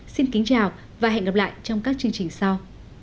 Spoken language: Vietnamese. xin kính chào và hẹn gặp lại trong các chương trình sau